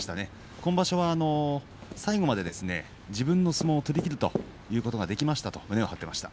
今場所は最後まで自分の相撲を取りきるということができましたと胸を張っていました。